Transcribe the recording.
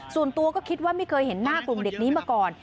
ส่วนตัวก็คิดว่าไม่เคยเห็นหน้ากลุ่มเด็กนี้มาก่อน